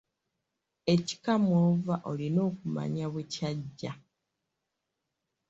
Ekika mw’ova olina okumanya bwe kyajja.